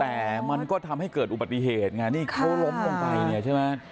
แต่มันก็ทำให้เกิดอุบัติเหตุไงนี่เขาล้มลงไปเนี่ยใช่ไหม